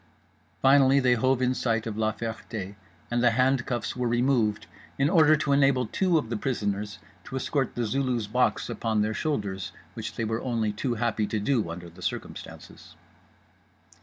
Finally they hove in sight of La Ferté and the handcuffs were removed in order to enable two of the prisoners to escort The Zulu's box upon their shoulders, which they were only too happy to do under the circumstances.